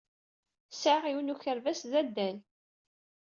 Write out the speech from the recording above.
Sɛiɣ yiwen n ukerbas d adal.